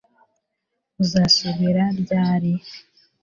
Uzasubira ryari